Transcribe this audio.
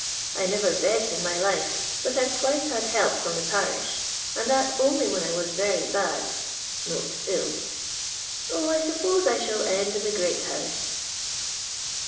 I never begged in my life, but I've twice had help from the parish, and that only when I was very bad (ill). 0, I suppose I shall end in tha great house."